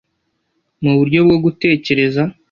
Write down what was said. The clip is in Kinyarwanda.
mu buryo bwo gutekereza